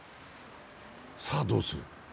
さあどうする。